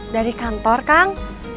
dari kantor kang